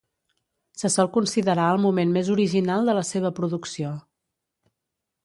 Se sol considerar el moment més original de la seva producció.